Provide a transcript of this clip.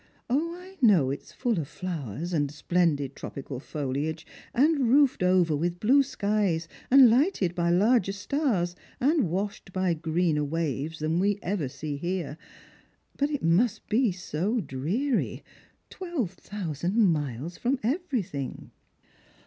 O, I know that it is full of flowers and splendid tropical foliage, and roofed over with blue skies, and lighted by larger stars, and washed by greener waves, than we ever see here; but it must be so dreary — twelve thousand miles from everything."